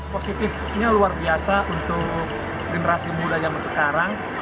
positifnya luar biasa untuk generasi muda yang sekarang